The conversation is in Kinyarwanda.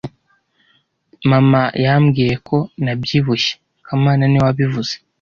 Mama yambwiye ko nabyibushye kamana niwe wabivuze